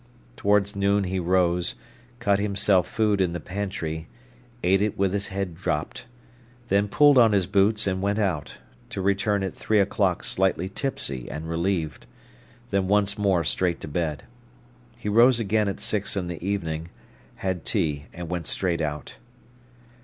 Towards noon he rose, cut himself food in the pantry, ate it with his head dropped, then pulled on his boots, and went out, to return at three o'clock slightly tipsy and relieved; then once more straight to bed. He rose again at six in the evening, had tea and went straight out.